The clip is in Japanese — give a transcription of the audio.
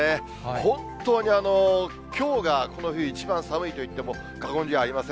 本当にきょうが一番寒いと言っても、過言じゃありません。